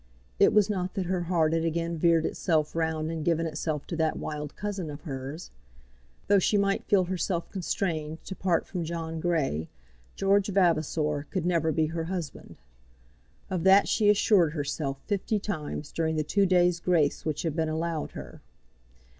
It was not that her heart had again veered itself round and given itself to that wild cousin of hers. Though she might feel herself constrained to part from John Grey, George Vavasor could never be her husband. Of that she assured herself fifty times during the two days' grace which had been allowed her.